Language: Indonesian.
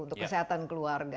untuk kesehatan keluarga